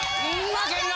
負けるな！